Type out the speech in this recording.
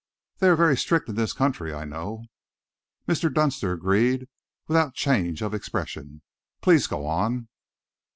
"They are very strict in this country, I know." Mr. Dunster agreed, without change of expression. "Please go on."